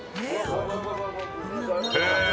へえ！